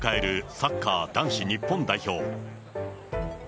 サッカー男子日本代表。